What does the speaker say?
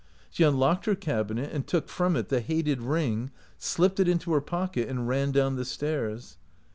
She unlocked her cabinet and took from it the hated ring, slipped it into her pocket, and ran down the stairs.